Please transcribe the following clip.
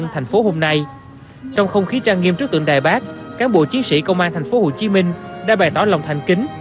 tượng đài bát cán bộ chiến sĩ công an thành phố hồ chí minh đã bày tỏ lòng thành kính